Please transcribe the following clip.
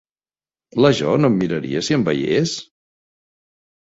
La Jo no em miraria si em veiés?